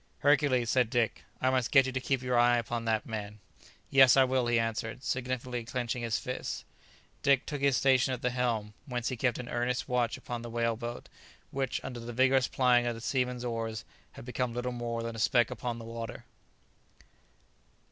"Hercules," said Dick, "I must get you to keep your eye upon that man." "Yes, I will," he answered, significantly clenching his fists. Dick took his station at the helm, whence he kept an earnest watch upon the whale boat, which under the vigourous plying of the seamen's oars had become little more than a speck upon the water.